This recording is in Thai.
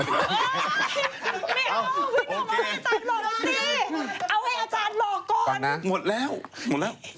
นี่เอาพี่ป้องอะ่าอาจารย์หลอกเลยสิเอาให้อาจารย์หลอก